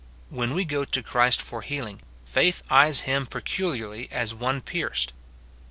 When we go to Christ for healing, faith eyes him pecu liarly as one pierced.